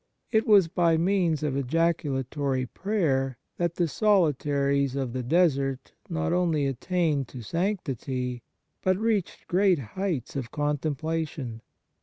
It was by means of ejaculatory prayer that the solitaries of the desert not only attained to sanctity, but reached great heights of contemplation.